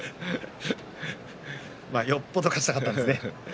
よっぽど勝ちたかったんですね。